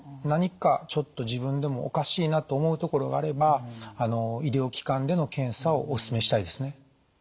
何かちょっと自分でもおかしいなと思うところがあれば医療機関での検査をお勧めしたいですね。